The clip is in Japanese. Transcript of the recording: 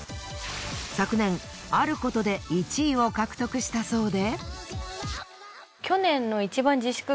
昨年あることで１位を獲得したそうで。